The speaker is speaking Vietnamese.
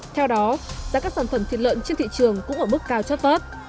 theo đó giá các sản phẩm thịt lợn trên thị trường cũng ở mức cao chót vớt